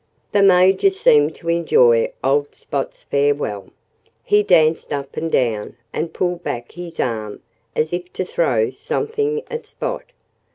The Major seemed to enjoy old Spot's farewell. He danced up and down, and pulled back his arm, as if to throw something at Spot.